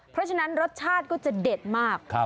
เพราะฉะนั้นรสชาติก็จะเด็ดมาก